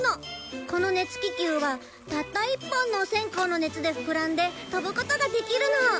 この熱気球はたった１本のお線香の熱で膨らんで飛ぶことができるの。